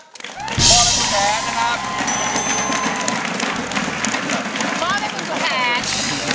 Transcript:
พ่อและคุณแผนนะครับ